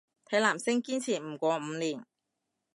睇男星堅持唔過五年